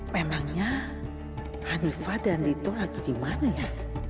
memangnya hanifah dan dito lagi di mana ya